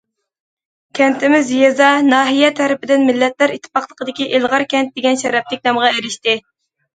كەنتىمىز يېزا، ناھىيە تەرىپىدىن مىللەتلەر ئىتتىپاقلىقىدىكى ئىلغار كەنت دېگەن شەرەپلىك نامغا ئېرىشتى.